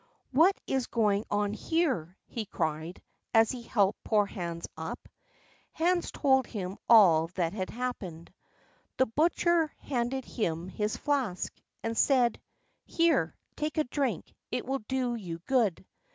"What is going on here?" he cried, as he helped poor Hans up. Hans told him all that had happened. The butcher handed him his flask, and said: "Here, take a drink, it will do you good.